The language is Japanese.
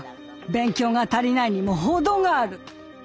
勉強が足りないにも程がある。